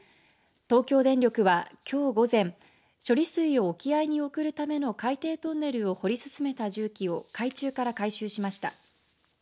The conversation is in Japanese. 東京電力はきょう午前処理水を沖合に送るための海底トンネルを掘り進めた重機を海中から回収しました。